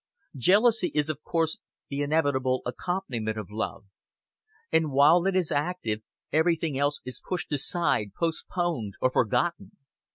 Jealousy is of course the inevitable accompaniment of love; and while it is active everything else is pushed aside, postponed, or forgotten.